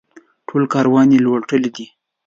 ټول کاروان یې لوټلی دی.